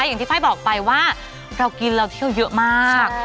อย่างที่ไฟล์บอกไปว่าเรากินเราเที่ยวเยอะมาก